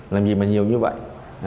làm gì mà nhiều như vậy